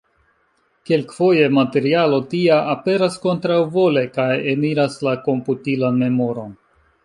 Kelkfoje materialo tia aperas kontraŭvole kaj eniras la komputilan memoron.